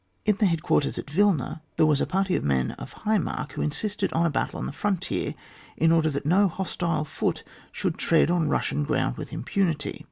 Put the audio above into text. In the head quarters at Wilna there was a party of men of high mark who insisted on a battle on the frontier, in order that no hostile foot should tread on Bussian ground with impunity.